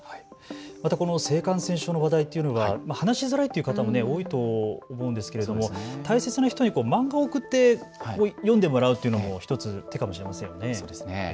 また性感染症の話題というのは話しづらいという方も多いと思うんですが大切な人に漫画を送って読んでもらうというのも１つ、手かもしれませんね。